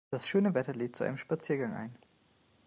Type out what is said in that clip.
Das schöne Wetter lädt zu einem Spaziergang ein.